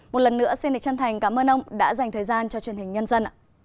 một lần nữa xin được chân thành cảm ơn ông đã dành thời gian cho truyền hình nhân dân ạ